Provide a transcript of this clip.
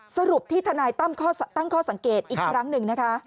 สรุปที่ทนายตั้มตั้งข้อสังเกตอีกครั้งหนึ่งนะคะ